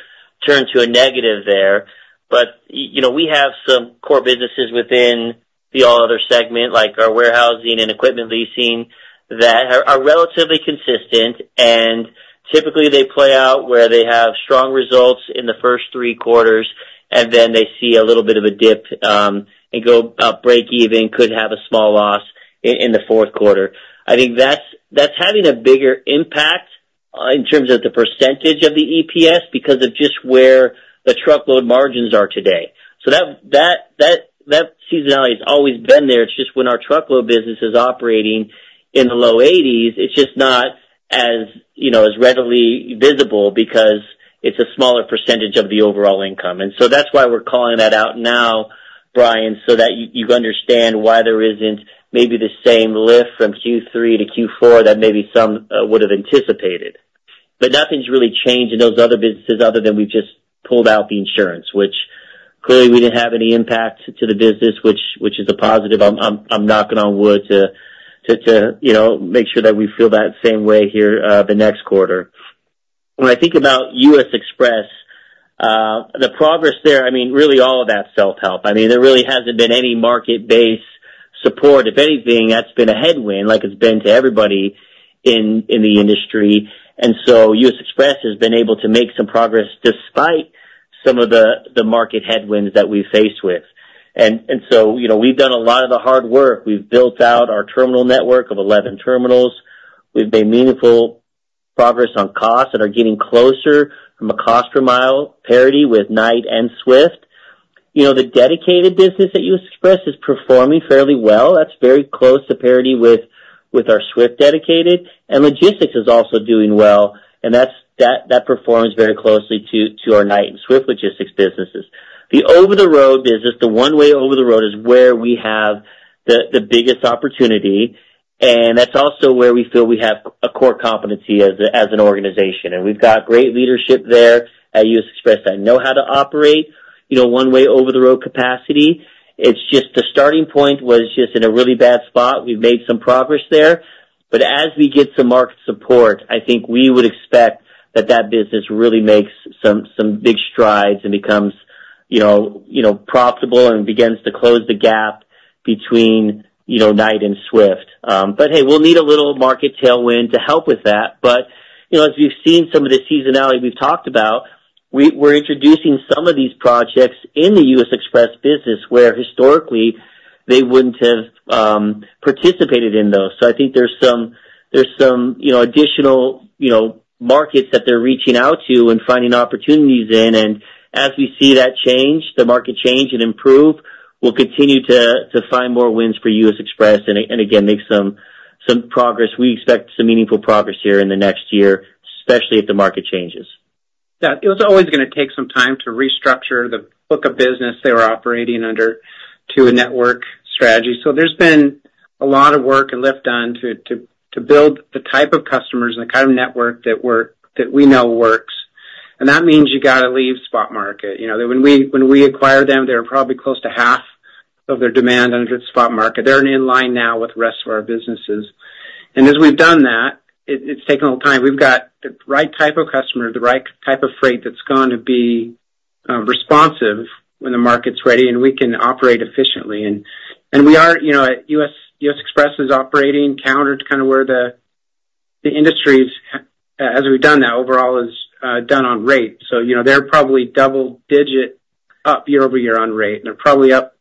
turned to a negative there. But we have some core businesses within the all other segment, like our warehousing and equipment leasing, that are relatively consistent. And typically, they play out where they have strong results in the first three quarters, and then they see a little bit of a dip and go break even, could have a small loss in the fourth quarter. I think that's having a bigger impact in terms of the percentage of the EPS because of just where the truckload margins are today. So that seasonality has always been there. It's just when our truckload business is operating in the low 80s, it's just not as readily visible because it's a smaller percentage of the overall income. So that's why we're calling that out now, Brian, so that you understand why there isn't maybe the same lift from Q3 to Q4 that maybe some would have anticipated. But nothing's really changed in those other businesses other than we've just pulled out the insurance, which clearly we didn't have any impact to the business, which is a positive. I'm knocking on wood to make sure that we feel that same way here the next quarter. When I think about U.S. Xpress, the progress there, I mean, really all of that's self-help. I mean, there really hasn't been any market-based support. If anything, that's been a headwind like it's been to everybody in the industry. U.S. Xpress has been able to make some progress despite some of the market headwinds that we've faced with. We've done a lot of the hard work. We've built out our terminal network of 11 terminals. We've made meaningful progress on costs and are getting closer from a cost per mile parity with Knight and Swift. The dedicated business at U.S. Xpress is performing fairly well. That's very close to parity with our Swift dedicated. Logistics is also doing well. That performs very closely to our Knight and Swift logistics businesses. The over-the-road business, the one-way over-the-road is where we have the biggest opportunity. That's also where we feel we have a core competency as an organization. We've got great leadership there at U.S. Xpress that know how to operate one-way over-the-road capacity. It's just the starting point was just in a really bad spot. We've made some progress there. But as we get some market support, I think we would expect that that business really makes some big strides and becomes profitable and begins to close the gap between Knight and Swift. But hey, we'll need a little market tailwind to help with that. But as we've seen some of the seasonality we've talked about, we're introducing some of these projects in the U.S. Xpress business where historically they wouldn't have participated in those. So I think there's some additional markets that they're reaching out to and finding opportunities in. And as we see that change, the market change and improve, we'll continue to find more wins for U.S. Xpress and again, make some progress. We expect some meaningful progress here in the next year, especially if the market changes. Yeah. It was always going to take some time to restructure the book of business they were operating under to a network strategy. So there's been a lot of work and lift done to build the type of customers and the kind of network that we know works. And that means you got to leave spot market. When we acquired them, they were probably close to half of their demand under spot market. They're in line now with the rest of our businesses. And as we've done that, it's taken a long time. We've got the right type of customer, the right type of freight that's going to be responsive when the market's ready and we can operate efficiently. And we are at U.S. Xpress is operating counter to kind of where the industry is, as we've done, that overall is done on rate. They're probably double-digit up year-over-year on rate. They're probably up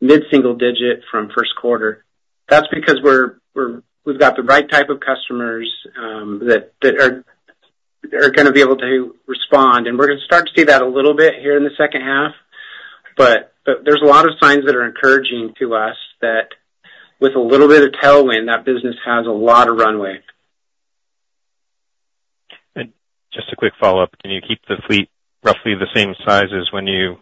mid-single digit from first quarter. That's because we've got the right type of customers that are going to be able to respond. We're going to start to see that a little bit here in the second half. But there's a lot of signs that are encouraging to us that with a little bit of tailwind, that business has a lot of runway. Just a quick follow-up. Can you keep the fleet roughly the same size as when you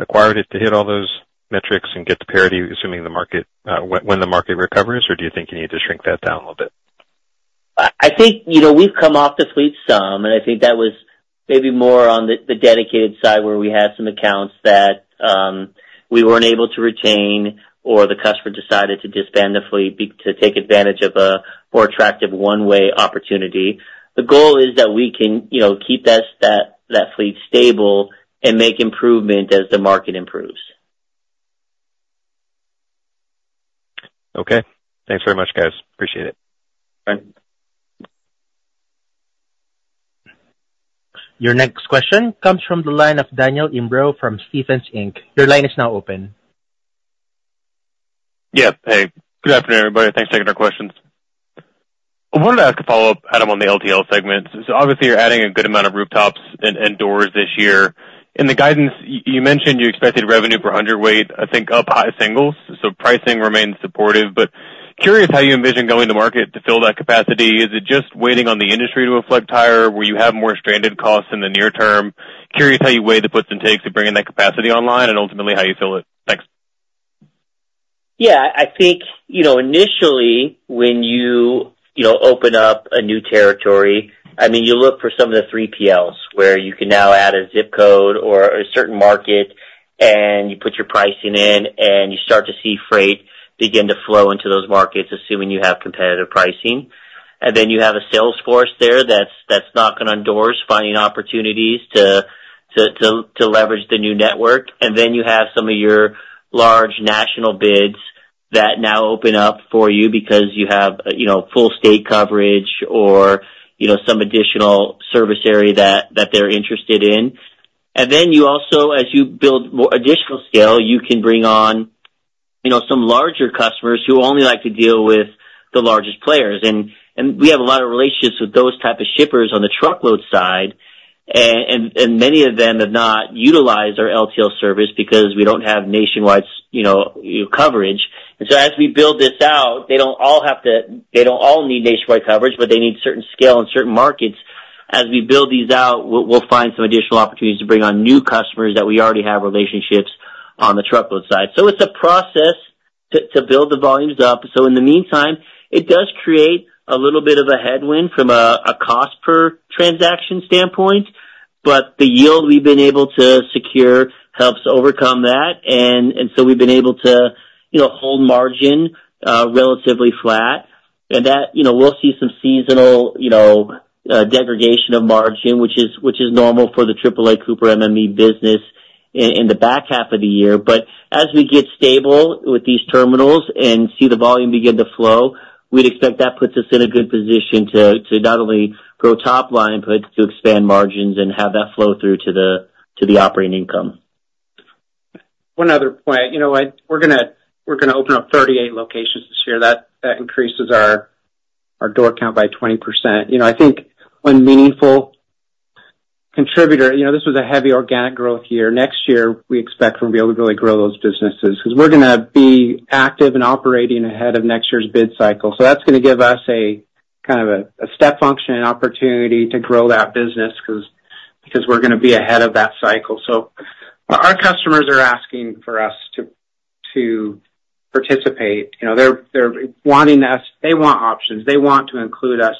acquired it to hit all those metrics and get to parity, assuming when the market recovers? Or do you think you need to shrink that down a little bit? I think we've come off the fleet some. I think that was maybe more on the dedicated side where we had some accounts that we weren't able to retain or the customer decided to disband the fleet to take advantage of a more attractive one-way opportunity. The goal is that we can keep that fleet stable and make improvement as the market improves. Okay. Thanks very much, guys. Appreciate it. All right. Your next question comes from the line of Daniel Imbro from Stephens Inc. Your line is now open. Yeah. Hey. Good afternoon, everybody. Thanks for taking our questions. I wanted to ask a follow-up, Adam, on the LTL segment. So obviously, you're adding a good amount of rooftops and doors this year. In the guidance, you mentioned you expected revenue per hundredweight, I think up high singles. So pricing remains supportive. But curious how you envision going to market to fill that capacity. Is it just waiting on the industry to reflect higher where you have more stranded costs in the near term? Curious how you weigh the puts and takes of bringing that capacity online and ultimately how you fill it. Thanks. Yeah. I think initially, when you open up a new territory, I mean, you look for some of the 3PLs where you can now add a ZIP code or a certain market and you put your pricing in and you start to see freight begin to flow into those markets, assuming you have competitive pricing. And then you have a sales force there that's knocking on doors, finding opportunities to leverage the new network. And then you have some of your large national bids that now open up for you because you have full state coverage or some additional service area that they're interested in. And then you also, as you build additional scale, you can bring on some larger customers who only like to deal with the largest players. And we have a lot of relationships with those types of shippers on the truckload side. Many of them have not utilized our LTL service because we don't have nationwide coverage. So as we build this out, they don't all need nationwide coverage, but they need certain scale in certain markets. As we build these out, we'll find some additional opportunities to bring on new customers that we already have relationships on the truckload side. It's a process to build the volumes up. In the meantime, it does create a little bit of a headwind from a cost per transaction standpoint. But the yield we've been able to secure helps overcome that. We've been able to hold margin relatively flat. We'll see some seasonal degradation of margin, which is normal for the AAA Cooper MME business in the back half of the year. But as we get stable with these terminals and see the volume begin to flow, we'd expect that puts us in a good position to not only grow top line, but to expand margins and have that flow through to the operating income. One other point. We're going to open up 38 locations this year. That increases our door count by 20%. I think one meaningful contributor. This was a heavy organic growth year. Next year, we expect we'll be able to really grow those businesses because we're going to be active and operating ahead of next year's bid cycle. So that's going to give us a kind of a step function opportunity to grow that business because we're going to be ahead of that cycle. So our customers are asking for us to participate. They're wanting us. They want options. They want to include us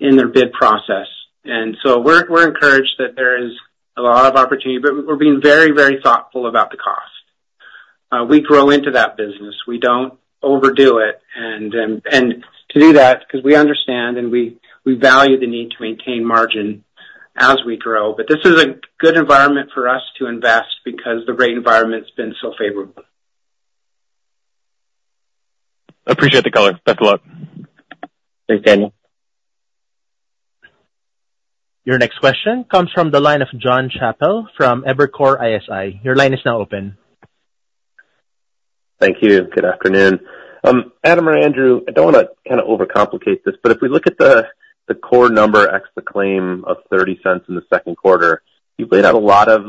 in their bid process. And so we're encouraged that there is a lot of opportunity, but we're being very, very thoughtful about the cost. We grow into that business. We don't overdo it. To do that, because we understand and we value the need to maintain margin as we grow. This is a good environment for us to invest because the rate environment's been so favorable. Appreciate the call. Thanks a lot. Thanks, Daniel. Your next question comes from the line of Jonathan Chappell from Evercore ISI. Your line is now open. Thank you. Good afternoon. Adam or Andrew, I don't want to kind of overcomplicate this, but if we look at the core number ex the claim of $0.30 in the second quarter, you've laid out a lot of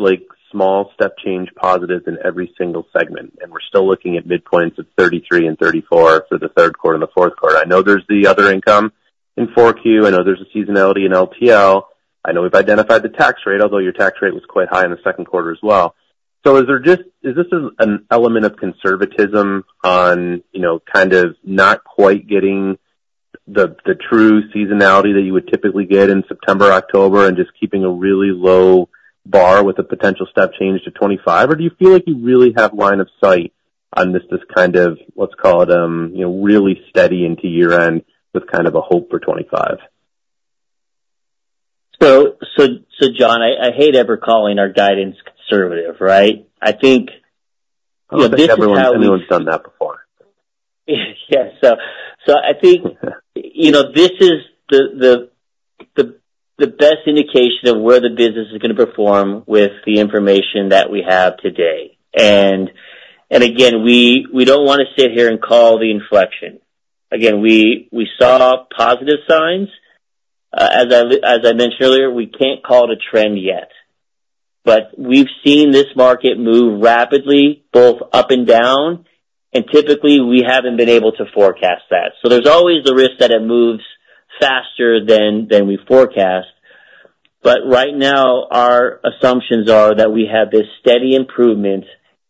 small step change positives in every single segment. We're still looking at midpoints of 33 and 34 for the third quarter and the fourth quarter. I know there's the other income in 4Q. I know there's a seasonality in LTL. I know we've identified the tax rate, although your tax rate was quite high in the second quarter as well. So is this an element of conservatism on kind of not quite getting the true seasonality that you would typically get in September, October, and just keeping a really low bar with a potential step change to 25? Or do you feel like you really have line of sight on this kind of, let's call it, really steady into year-end with kind of a hope for 2025? John, I hate ever calling our guidance conservative, right? I think this is. Oh, everyone's done that before. Yes. So I think this is the best indication of where the business is going to perform with the information that we have today. And again, we don't want to sit here and call the inflection. Again, we saw positive signs. As I mentioned earlier, we can't call it a trend yet. But we've seen this market move rapidly, both up and down. And typically, we haven't been able to forecast that. So there's always the risk that it moves faster than we forecast. But right now, our assumptions are that we have this steady improvement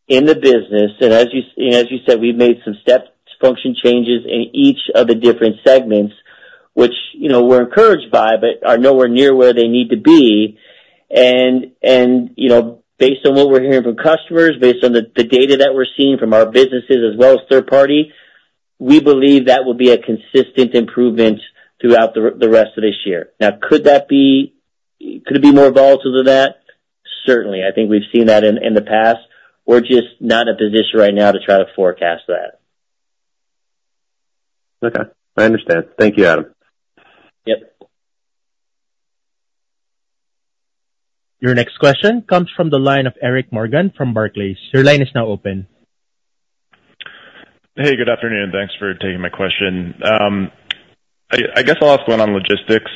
in the business. And as you said, we've made some step function changes in each of the different segments, which we're encouraged by, but are nowhere near where they need to be. Based on what we're hearing from customers, based on the data that we're seeing from our businesses as well as third party, we believe that will be a consistent improvement throughout the rest of this year. Now, could it be more volatile than that? Certainly. I think we've seen that in the past. We're just not in a position right now to try to forecast that. Okay. I understand. Thank you, Adam. Yep. Your next question comes from the line of Eric Morgan from Barclays. Your line is now open. Hey, good afternoon. Thanks for taking my question. I guess I'll ask one on logistics,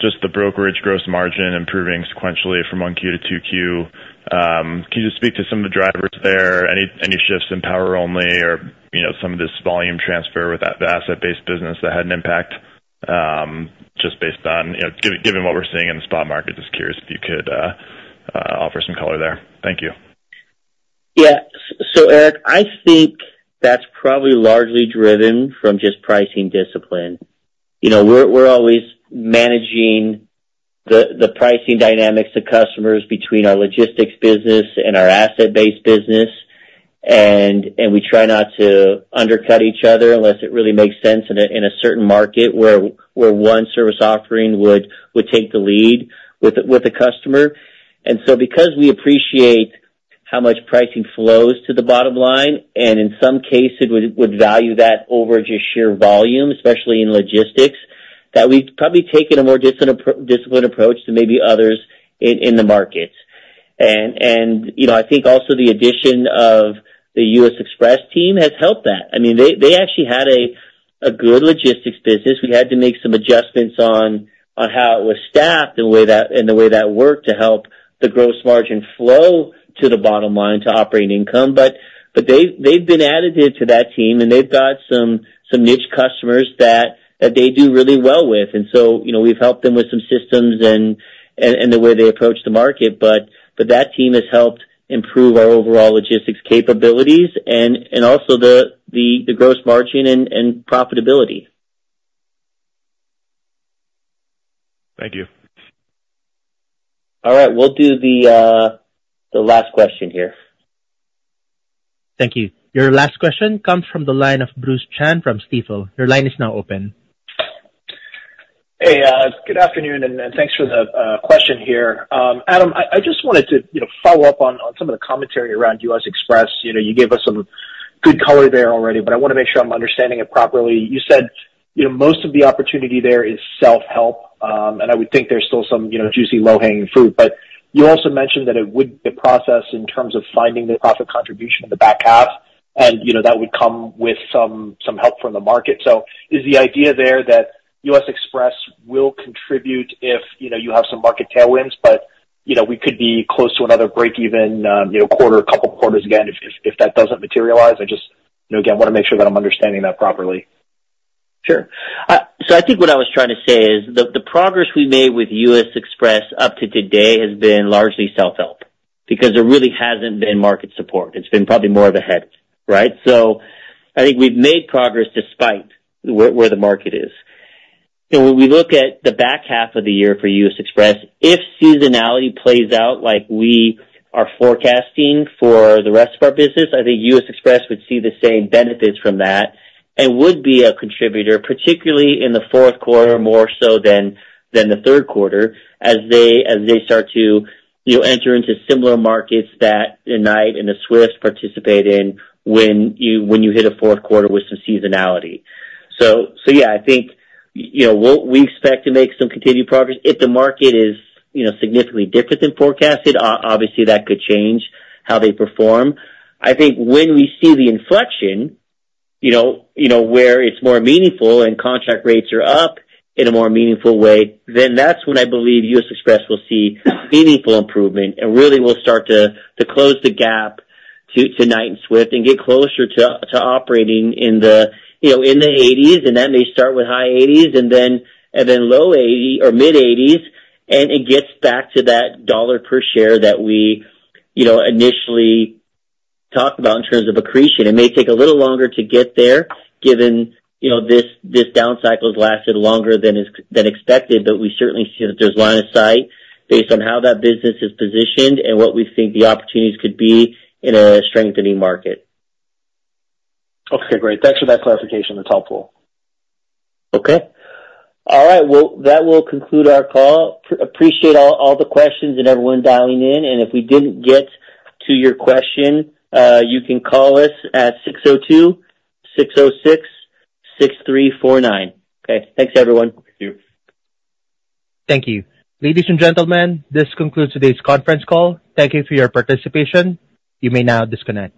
just the brokerage gross margin improving sequentially from 1Q to 2Q. Can you just speak to some of the drivers there? Any shifts in power only or some of this volume transfer with that asset-based business that had an impact just based on given what we're seeing in the spot market? Just curious if you could offer some color there. Thank you. Yeah. So Eric, I think that's probably largely driven from just pricing discipline. We're always managing the pricing dynamics to customers between our logistics business and our asset-based business. And we try not to undercut each other unless it really makes sense in a certain market where one service offering would take the lead with a customer. And so because we appreciate how much pricing flows to the bottom line, and in some cases, would value that over just sheer volume, especially in logistics, that we've probably taken a more disciplined approach than maybe others in the markets. And I think also the addition of the U.S. Xpress team has helped that. I mean, they actually had a good logistics business. We had to make some adjustments on how it was staffed and the way that worked to help the gross margin flow to the bottom line, to operating income. But they've been added to that team, and they've got some niche customers that they do really well with. And so we've helped them with some systems and the way they approach the market. But that team has helped improve our overall logistics capabilities and also the gross margin and profitability. Thank you. All right. We'll do the last question here. Thank you. Your last question comes from the line of Bruce Chan from Stifel. Your line is now open. Hey, good afternoon. Thanks for the question here. Adam, I just wanted to follow up on some of the commentary around U.S. Xpress. You gave us some good color there already, but I want to make sure I'm understanding it properly. You said most of the opportunity there is self-help. I would think there's still some juicy low-hanging fruit. But you also mentioned that it would be a process in terms of finding the profit contribution in the back half. That would come with some help from the market. Is the idea there that U.S. Xpress will contribute if you have some market tailwinds, but we could be close to another break-even quarter, a couple of quarters again if that doesn't materialize? I just, again, want to make sure that I'm understanding that properly. Sure. So I think what I was trying to say is the progress we made with U.S. Xpress up to today has been largely self-help because there really hasn't been market support. It's been probably more of a headache, right? So I think we've made progress despite where the market is. When we look at the back half of the year for U.S. Xpress, if seasonality plays out like we are forecasting for the rest of our business, I think U.S. Xpress would see the same benefits from that and would be a contributor, particularly in the fourth quarter more so than the third quarter as they start to enter into similar markets that the Knight and the Swift participate in when you hit a fourth quarter with some seasonality. So yeah, I think we expect to make some continued progress. If the market is significantly different than forecasted, obviously, that could change how they perform. I think when we see the inflection where it's more meaningful and contract rates are up in a more meaningful way, then that's when I believe U.S. Xpress will see meaningful improvement and really will start to close the gap to Knight and Swift and get closer to operating in the 80s. That may start with high 80s and then low 80s or mid 80s. It gets back to that $1 per share that we initially talked about in terms of accretion. It may take a little longer to get there given this down cycle has lasted longer than expected, but we certainly see that there's line of sight based on how that business is positioned and what we think the opportunities could be in a strengthening market. Okay. Great. Thanks for that clarification. That's helpful. Okay. All right. Well, that will conclude our call. Appreciate all the questions and everyone dialing in. And if we didn't get to your question, you can call us at 602-606-6349. Okay. Thanks, everyone. Thank you. Thank you. Ladies and gentlemen, this concludes today's conference call. Thank you for your participation. You may now disconnect.